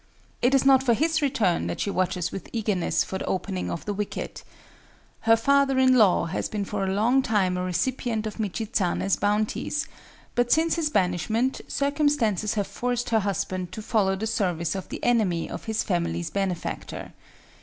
It is not for his return that she watches with eagerness for the opening of the wicket. Her father in law has been for a long time a recipient of Michizané's bounties, but since his banishment circumstances have forced her husband to follow the service of the enemy of his family's benefactor.